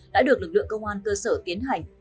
đã được lực lượng công an cơ sở tiến hành